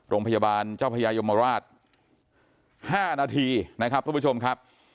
โรงพยาบาลเจ้าพญายมราช๕นาทีนะครับทุกผู้ชมครับ